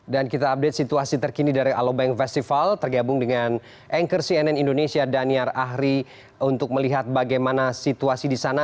dan kita update situasi terkini dari alubeng festival tergabung dengan anchor cnn indonesia daniar ahri untuk melihat bagaimana situasi di sana